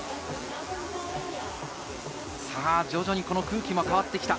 徐々に空気も変わってきた。